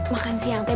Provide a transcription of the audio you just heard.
makan siang teh